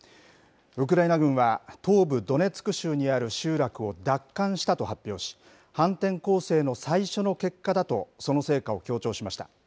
ウクライナ軍は、東部ドネツク州にある集落を奪還したと発表し、反転攻勢の最初の結果だと、その成果を強調しました。